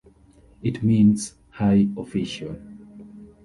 It means 'High Official'.